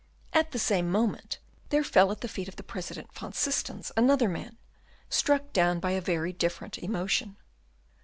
At the same moment there fell at the feet of the President van Systens another man, struck down by a very different emotion.